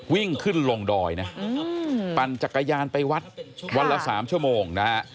วิ่งขึ้นลงดอยนะปั่นจักรยานไปวัดวันละ๓ชั่วโมงนะฮะ